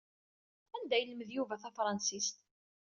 Anda i yelmed Yuba tafransist?